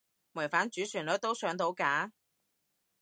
違反主旋律都上到架？